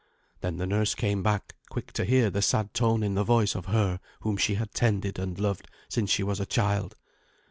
Then the nurse came back, quick to hear the sad tone in the voice of her whom she had tended and loved since she was a child.